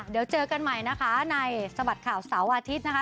เดี๋ยวเจอกันใหม่นะคะในสบัดข่าวเสาร์อาทิตย์นะคะ